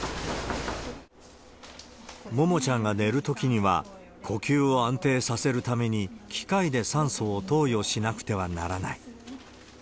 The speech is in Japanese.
ももちゃんが寝るときには、呼吸を安定させるために、器械で酸素を投与しなくてはならない。